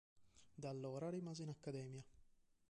Da allora rimase in Accademia.